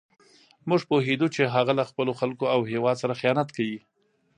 موږ پوهېدو چې هغه له خپلو خلکو او هېواد سره خیانت کوي.